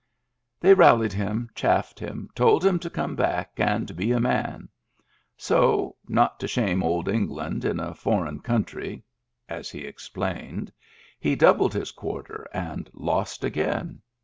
They rallied him, chaffed him, told him to come back and be a man; so, not to shame old England in a foreign country (as he explained), he doubled his quarter, and lost again.